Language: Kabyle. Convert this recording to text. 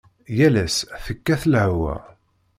Yal ass tekkat lehwa.